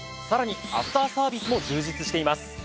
さらにアフターサービスも充実しています。